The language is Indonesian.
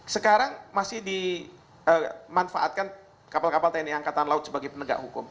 sekarang masih dimanfaatkan kapal kapal tni angkatan laut sebagai penegak hukum